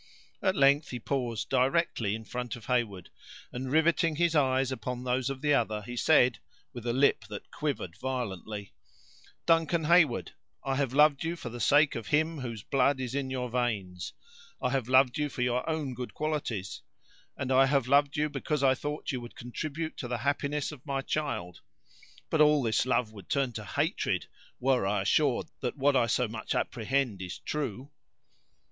At length, he paused directly in front of Heyward, and riveting his eyes upon those of the other, he said, with a lip that quivered violently: "Duncan Heyward, I have loved you for the sake of him whose blood is in your veins; I have loved you for your own good qualities; and I have loved you, because I thought you would contribute to the happiness of my child. But all this love would turn to hatred, were I assured that what I so much apprehend is true."